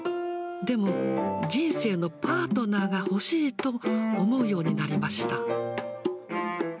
でも、人生のパートナーが欲しいと思うようになりました。